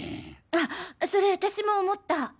あそれ私も思った。